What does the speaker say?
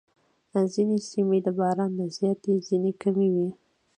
ځینې سیمې د باران نه زیاتې، ځینې کمې وي.